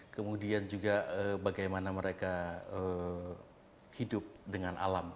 kemudian juga bagaimana mereka hidup dengan alam